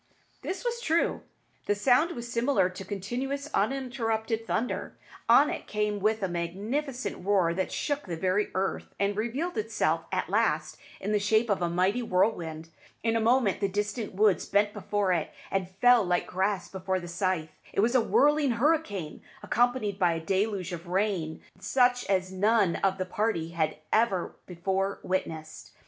This was true. The sound was similar to continuous, uninterrupted thunder. On it came with a magnificent roar that shook the very earth, and revealed itself at last in the shape of a mighty whirlwind. In a moment the distant woods bent before it, and fell like grass before the scythe. It was a whirling hurricane, accompanied by a deluge of rain such as none of the party had ever before witnessed.